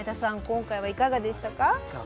今回はいかがでしたか？